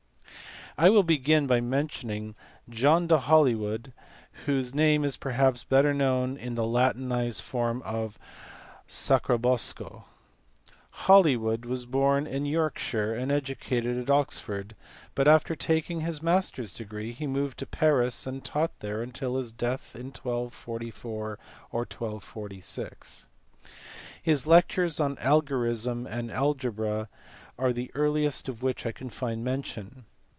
I will begin by mentioning John de Ilolywood. whose name is perhaps better known in the latinized form of Sacrobosco. Holywood was born in Yorkshire and educated at Oxford, but after taking his master s degree he moved to 1 MIMS and taught there till his death in 1244 or 1246. His liviures on algorism and algebra are the earliest of which I can find mention.